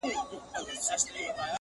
• خو ذهنونه زخمي پاتې وي ډېر..